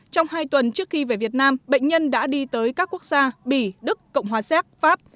trong hai tuần trước khi về việt nam bệnh nhân đã đi tới các quốc gia bỉ đức cộng hòa xéc pháp